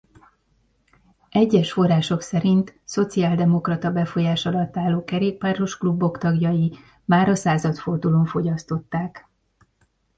Egyes források szerint szociáldemokrata befolyás alatt álló kerékpáros-klubok tagjai már a századfordulón fogyasztották.